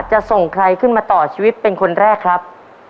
จะส่งใครขึ้นมาต่อชีวิตเป็นคนแรกครับ